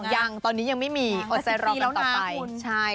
ยังตอนนี้ยังไม่มีอดใจรอแล้วต่อไป